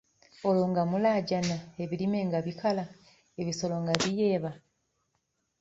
"Olwo nga mulaajana, ebirime nga bikala, ebisolo nga biyeba."